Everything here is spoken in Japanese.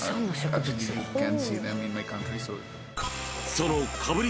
［そのかぶり